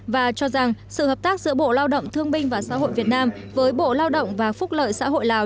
và cho rằng sự hợp tác giữa bộ lao động thương binh và xã hội việt nam với bộ lao động và phúc lợi xã hội lào